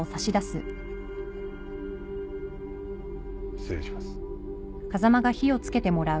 失礼します。